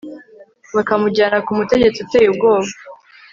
bakamujyana ku mutegetsi uteye ubwoba